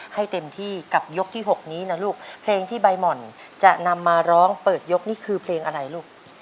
ให้เต็มที่กับยกที่๖นี้นะลูกเพลงที่ใบหม่อนจะนำมาร้องเปิดยกนี่คือเพลงอะไรลูก